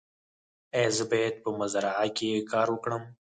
ایا زه باید په مزرعه کې کار وکړم؟